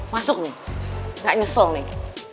masuk nih gak nyesel nih